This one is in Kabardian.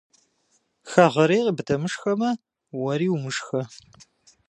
Хэгъэрейр къыбдэмышхэмэ, уэри умышхэ.